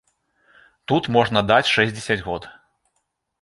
Тут можна даць шэсцьдзесят год.